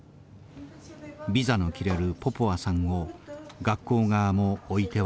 ビザの切れるポポワさんを学校側も置いてはおけません。